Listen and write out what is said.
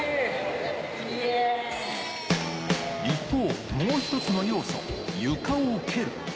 一方、もう１つの要素、床を蹴る。